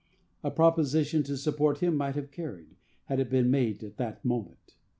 A proposition to support him might have carried, had it been made at that moment.